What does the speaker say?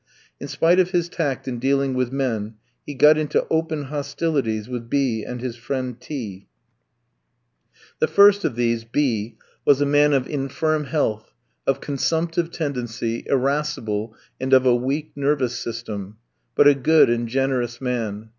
In spite of his tact in dealing with men, he got into open hostilities with B ski and his friend T ski. The first of these, B ski, was a man of infirm health, of consumptive tendency, irascible, and of a weak, nervous system; but a good and generous man.